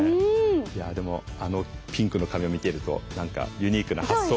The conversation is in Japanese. いやでもあのピンクの髪を見ていると何かユニークな発想もうなずける感じも。